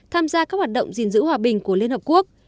tham gia các hoạt động gìn giữ hòa bình của liên hợp quốc